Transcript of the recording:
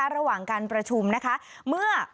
ระหว่างการประชุมนะคะเมื่อ